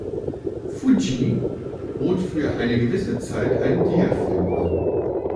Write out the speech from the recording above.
Fuji bot für eine gewisse Zeit einen Diafilm an.